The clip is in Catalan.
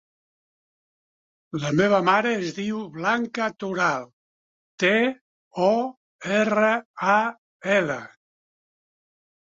La meva mare es diu Blanca Toral: te, o, erra, a, ela.